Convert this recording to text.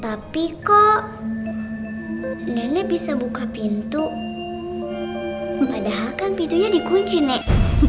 tapi kok nenek bisa buka pintu padahal kan pintunya dikunci nek